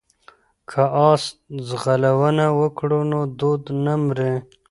که اس ځغلونه وکړو نو دود نه مري.